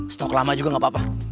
stok lama juga gak apa apa